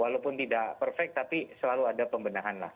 walaupun tidak perfect tapi selalu ada pembenahan lah